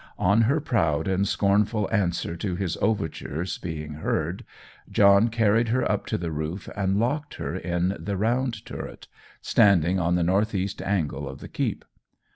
On her proud and scornful answer to his overtures being heard, John carried her up to the roof and locked her in the round turret, standing on the north east angle of the keep.